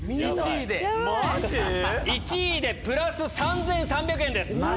マジ⁉１位でプラス３３００円です。